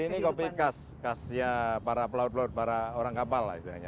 ini kopi khas khasnya para pelaut pelaut para orang kapal lah istilahnya